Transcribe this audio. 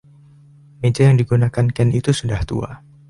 Meja yang digunakan Ken itu sudah tua.